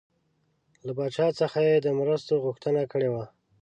له پاچا څخه یې د مرستو غوښتنه کړې وه.